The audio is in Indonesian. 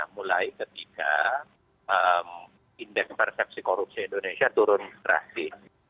mulai ketika indeks persepsi korupsi indonesia turun drastis